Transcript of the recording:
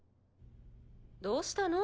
どうしたの？